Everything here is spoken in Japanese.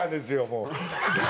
もう。